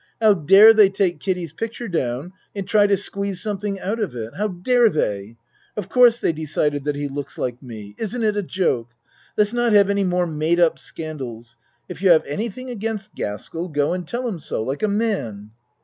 How dare they take Kiddie's picture down and try to squeeze some thing out of it? How dare they? Of course they decided that he looks like me. Isn't it a joke? Let's not have any more made up scandals. If you have anything against Gaskell go and tell him so like a man.